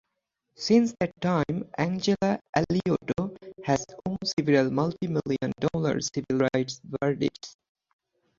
Since that time Angela Alioto has won several multimillion-dollar civil rights verdicts.